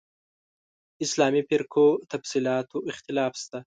اسلامي فرقو تفصیلاتو اختلاف شته.